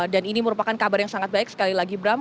dan ini merupakan kabar yang sangat baik sekali lagi bram